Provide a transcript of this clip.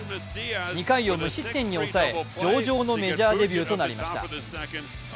２回を無失点に抑え上々のメジャーデビューとなりました。